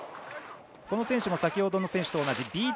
この選手も先ほどの選手と同じＢ２。